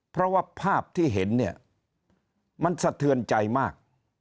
เพราะว่าภาพที่เห็นเนี่ยมันสะเทือนใจมาก